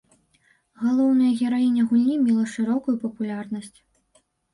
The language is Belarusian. Галоўная гераіня гульні мела шырокую папулярнасць.